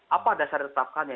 apa dasar ditetapkannya